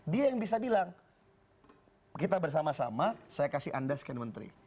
dia yang bisa bilang kita bersama sama saya kasih anda scan menteri